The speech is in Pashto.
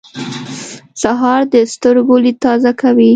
سهار د سترګو لید تازه کوي.